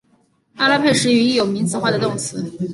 阿拉佩什语亦有名词化的动词。